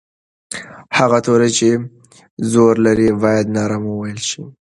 هغه توری چې زور لري باید نرم وویل شي.